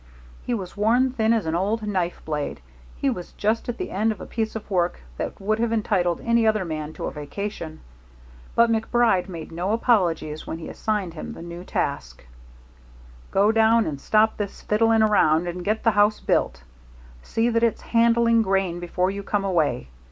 He was worn thin as an old knife blade, he was just at the end of a piece of work that would have entitled any other man to a vacation; but MacBride made no apologies when he assigned him the new task "Go down and stop this fiddling around and get the house built. See that it's handling grain before you come away.